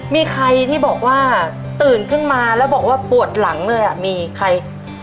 มีใครที่บอกว่าตื่นขึ้นมาแล้วบอกว่าปวดหลังเลยอ่ะมีใคร